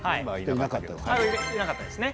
いなかったですね。